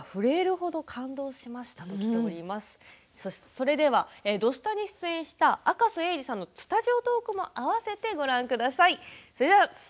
それでは「土スタ」に出演した赤楚衛二さんのスタジオトークも合わせてご覧ください。